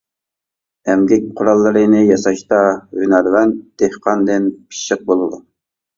ئەمگەك قوراللىرىنى ياساشتا ھۈنەرۋەن دېھقاندىن پىششىق بولىدۇ.